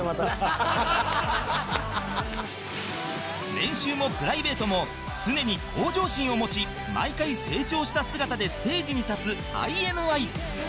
練習もプライベートも常に向上心を持ち毎回成長した姿でステージに立つ ＩＮＩ